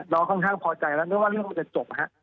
ค่อนข้างพอใจแล้วนึกว่าเรื่องมันจะจบ